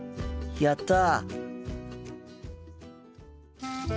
やった！